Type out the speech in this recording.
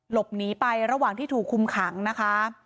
หลบหนีไประหว่างที่ถูกคุมขังนะคะ